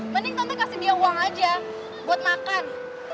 mending tante kasih dia uang aja buat makan